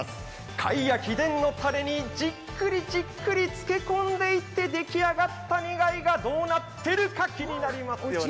かいや秘伝のたれにじっくりじっくりつけ込んでいった煮貝がどうなっているか気になりますよね。